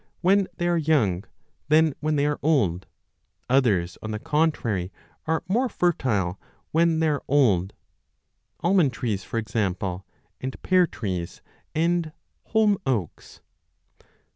G 2 8 2 i b DE PLANTIS they are young than when they are old ; others, on the contrary, are more fertile when they are old, almond trees, 20 for example, and pear trees and holm oaks.